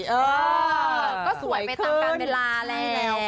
เออก็สวยไปต่างกันเวลาแหละ